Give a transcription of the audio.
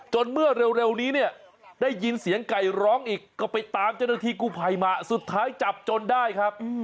เมื่อเร็วนี้เนี่ยได้ยินเสียงไก่ร้องอีกก็ไปตามเจ้าหน้าที่กู้ภัยมาสุดท้ายจับจนได้ครับ